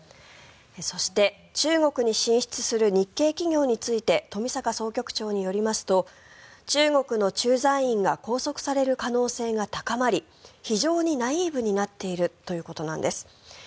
そして、中国に進出する日系企業について冨坂総局長によりますと中国の駐在員が拘束される可能性が高まり非常にナイーブになっているということなんです。